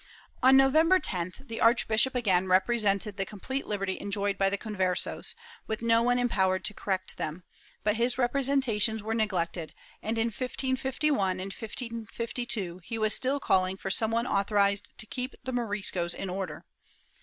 On November 10th, the arch bishop again represented the complete liberty enjoyed by the Conversos, with no one empowered to correct them, but his repre sentations were neglected and, in 1551 and 1552, he was still calling for some one authorized to keep the Moriscos in order.